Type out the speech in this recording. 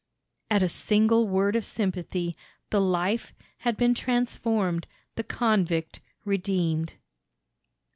At a single word of sympathy the life had been transformed, the convict redeemed.